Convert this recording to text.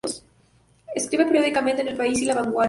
Escribe periódicamente en El País y La Vanguardia.